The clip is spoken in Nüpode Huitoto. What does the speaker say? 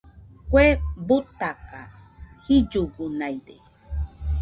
Kue butaka, jillugunaide.